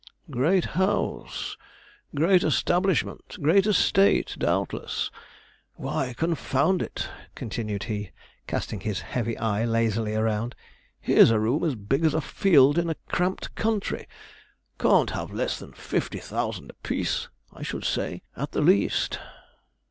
'Great house great establishment great estate, doubtless. Why, confound it,' continued he, casting his heavy eye lazily around, 'here's a room as big as a field in a cramped country! Can't have less than fifty thousand a piece, I should say, at the least.